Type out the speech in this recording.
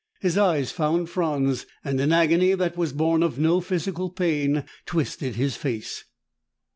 His eyes found Franz, and an agony that was born of no physical pain twisted his face.